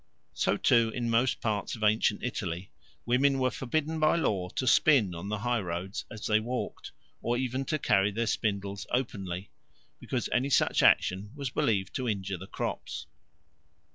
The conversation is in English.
So, too, in most parts of ancient Italy women were forbidden by law to spin on the highroads as they walked, or even to carry their spindles openly, because any such action was believed to injure the crops.